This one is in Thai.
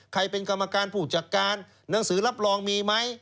เป็นกรรมการผู้จัดการหนังสือรับรองมีไหม